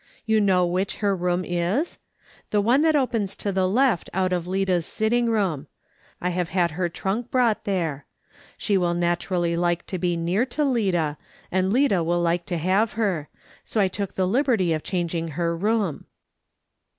You know which her room is ? The one that opens to the left out of Lida's sitting room. I have had her trunk brought there. She will naturally like to be near to Lida, and Lida will like to have her ; so I took the liberty of changing her room."